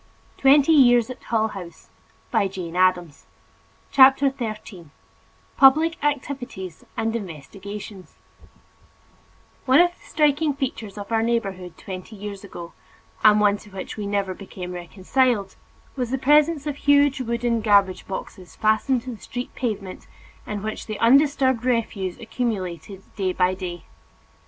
1910) pp. 281 309. [Editor: Mary MarkOckerbloom] CHAPTER XIII PUBLIC ACTIVITIES AND INVESTIGATIONS One of the striking features of our neighborhood twenty years ago, and one to which we never became reconciled, was the presence of huge wooden garbage boxes fastened to the street pavement in which the undisturbed refuse accumulated day by day.